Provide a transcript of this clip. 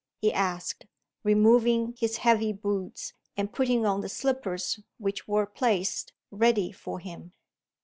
he asked, removing his heavy boots, and putting on the slippers which were placed ready for him.